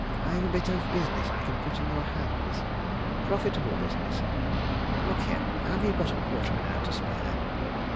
I've a bit of business I can put in your hands profitable business. Look here! have you got a quarter of an hour to spare?"